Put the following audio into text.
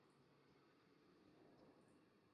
Las reseñas del disco fueron favorables.